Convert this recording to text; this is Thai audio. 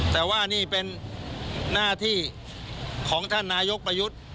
แต่ว่านี่เป็นหน้าที่ของท่านนายกประยุทธ์